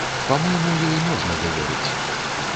Па-мойму, ёй можна даверыць.